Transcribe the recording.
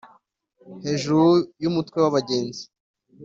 hejuru yumutwe wabagenzi